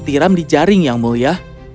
tiram di jaring yang mulia